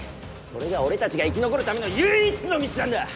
それが俺たちが生き残るための唯一の道なんだ！